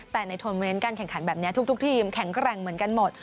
แต่ในทวเมนต์การแข่งขันแบบนี้ทุกทีมแข็งแกร่งเหมือนกันหมด